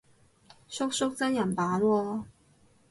叔叔真人版喎